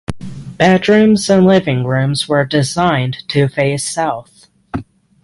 Bedrooms and living rooms were designed to face south.